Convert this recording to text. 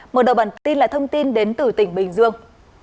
mở đầu bản tin là thông tin đến từ tỉnh bình dương